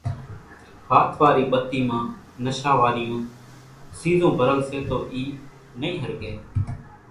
ھاٿ واري ٻتي مان نشا واريون سيزون ڀرل سي تو اِي نئي ۿرڳي،